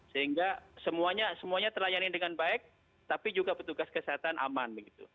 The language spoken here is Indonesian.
sehingga semuanya terlayani dengan baik tapi juga petugas kesehatan aman